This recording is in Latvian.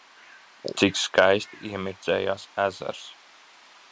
Cik skaisti iemirdzējās ezers!